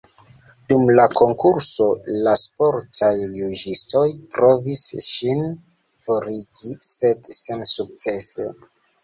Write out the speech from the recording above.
Dum la konkurso, la sportaj juĝistoj provis ŝin forigi, sed sensukcese.